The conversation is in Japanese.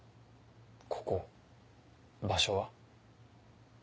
ここ場所は？